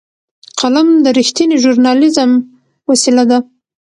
قلم د رښتینې ژورنالېزم وسیله ده